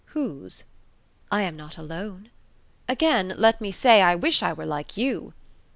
"Whose?" "I am not alone." "Again let me say, I wish I were like you!"